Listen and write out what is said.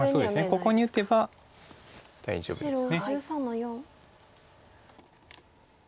ここに打てば大丈夫です。